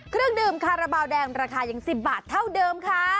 เครื่องดื่มคาราบาลแดงราคายัง๑๐บาทเท่าเดิมค่ะ